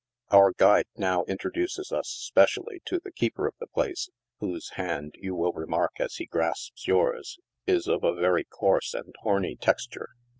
Our guide now introduces us specially to the keeper of the place, whose hand, you will remark, as he grasps yours, is of a very coarse and horny texture.